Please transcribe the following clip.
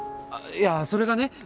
いやそれがね